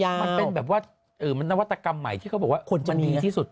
มันเป็นแบบว่านวัตกรรมใหม่ที่เขาบอกว่าคนจะดีที่สุด